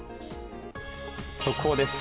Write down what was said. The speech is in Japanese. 速報です。